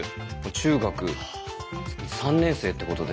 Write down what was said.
中学３年生ってことで。